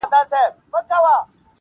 خامخا یې کر د قناعت ثمر را وړی دی-